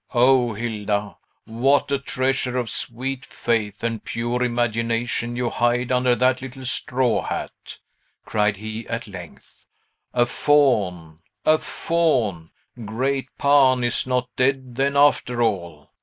"O Hilda, what a treasure of sweet faith and pure imagination you hide under that little straw hat!" cried he, at length. "A Faun! a Faun! Great Pan is not dead, then, after all!